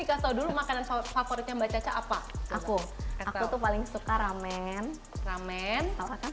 dikasih makanan favoritnya mbak caca apa aku aku tuh paling suka ramen ramen